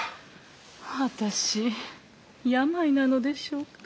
私病なのでしょうか？